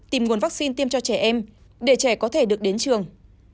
tìm nguồn vaccine tiêm cho trẻ em để trẻ có thể được đến trường